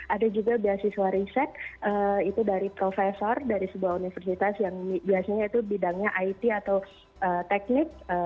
ada juga beasiswa riset itu dari profesor dari sebuah universitas yang biasanya itu bidangnya it atau teknik